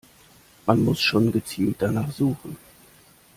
Man muss schon gezielt danach suchen.